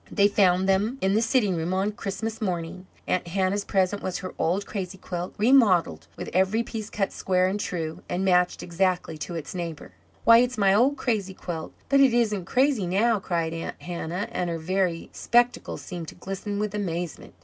They found them in the sitting room on Christmas morning. Aunt Hannah's present was her old crazy quilt, remodelled, with every piece cut square and true, and matched exactly to its neighbour. "Why, it's my old crazy quilt, but it isn't crazy now!" cried Aunt Hannah, and her very spectacles seemed to glisten with amazement.